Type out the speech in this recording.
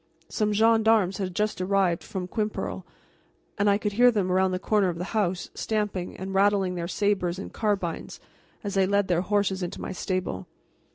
Some gendarmes had just arrived from Quimperle, and I could hear them around the corner of the house, stamping, and rattling their sabres and carbines, as they led their horses into my stable.